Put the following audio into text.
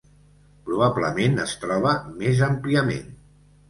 Probablement es troba més àmpliament.